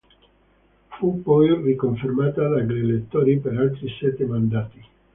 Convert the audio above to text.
Fu poi riconfermata dagli elettori per altri sette mandati.